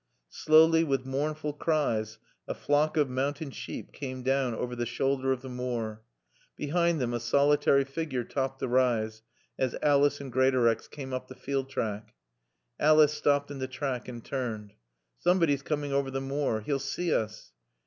Slowly, with mournful cries, a flock of mountain sheep came down over the shoulder of the moor. Behind them a solitary figure topped the rise as Alice and Greatorex came up the field track. Alice stopped in the track and turned. "Somebody's coming over the moor. He'll see us."